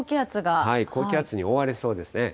高気圧に覆われそうですね。